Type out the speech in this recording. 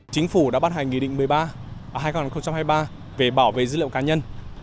chính phủ đã ban hành nghị định một mươi ba hai nghìn hai mươi ba về bảo vệ dữ liệu cá nhân